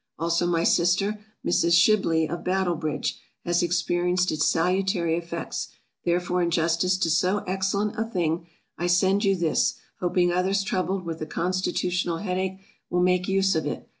Also my sister, Mrs. Shibley, of Battle bridge, has experienced its salutary effects; therefore in justice to so excellent a thing, I send you this, hoping others troubled with a constitutional head ache, will make use of it.